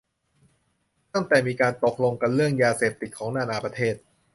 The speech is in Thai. ตั้งแต่มีการตกลงกันเรื่องยาเสพติดของนานาประเทศ